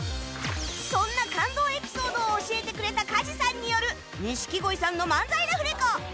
そんな感動エピソードを教えてくれた梶さんによる錦鯉さんの漫才ラフレコ